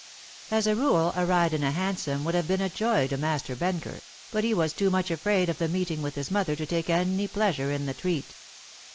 As a rule a ride in a hansom would have been a joy to Master Benker, but he was too much afraid of the meeting with his mother to take any pleasure in the treat.